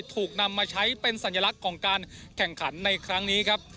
ถูกนำมาใช้เป็นสัญลักษณ์ของการแข่งขันในครั้งนี้ครับ